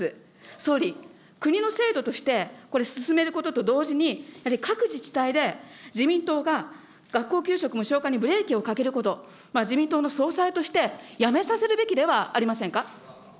総理、国の制度としてこれ、進めることと同時に、やはり各自治体で自民党が学校給食無償化にブレーキをかけること、自民党の総裁としてやめさせるべきではありませんか。